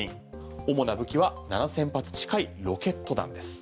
主な武器は７０００発近いロケット弾です。